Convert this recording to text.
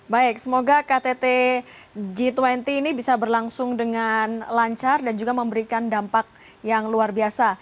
baik semoga ktt g dua puluh ini bisa berlangsung dengan lancar dan juga memberikan dampak yang luar biasa